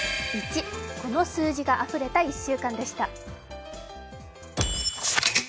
「１」、この数字があふれた１週間でした。